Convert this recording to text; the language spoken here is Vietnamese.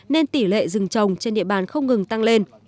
nên tỷ lệ rừng trồng trên địa bàn không ngừng tăng lên